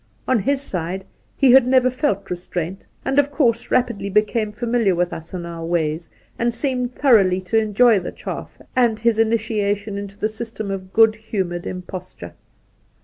On his side, he had never felt restraint, and of course rapidly became familiar with us and our ways, and seemed thoroughly to enjoy the chaff and his initiation into the system of good humoured imposture.